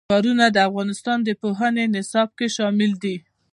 ښارونه د افغانستان د پوهنې نصاب کې شامل دي.